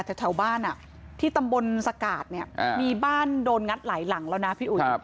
แถวบ้านที่ตำบลสกาดเนี่ยมีบ้านโดนงัดหลายหลังแล้วนะพี่อุ๋ย